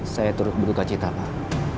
saya turut berduka cita pak